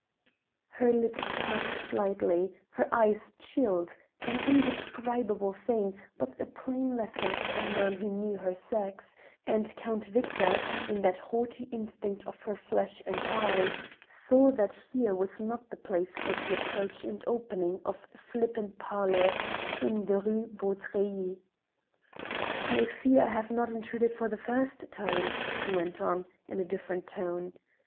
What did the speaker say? Her lips parted slightly, her eyes chilled an indescribable thing, but a plain lesson for a man who knew her sex, and Count Victor, in that haughty instinct of her flesh and eye, saw that here was not the place for the approach and opening of flippant parlours in the Rue Beautreillis. "I fear I have not intruded for the first time," he went on, in a different tone.